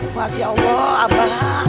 masya allah abah